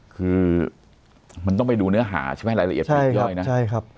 คือมันต้องไปดูเนื้อหาใช่ไหมรายละเอียดพรุ่งย่อยนะ